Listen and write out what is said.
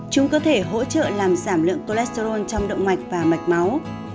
chúng có thể hỗ trợ làm giảm lượng cholesterol trong động mạch và mạch máu